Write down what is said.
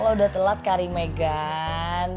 lo udah telat kak rimeh kan